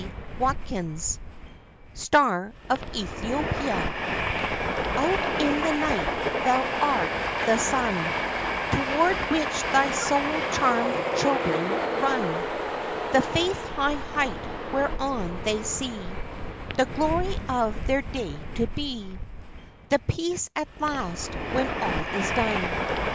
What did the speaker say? Watkins STAR OF ETHIOPIA Out in the Night thou art the sun Toward which thy soul charmed children run, The faith high height whereon they see The glory of their Day To Be The peace at last when all is done.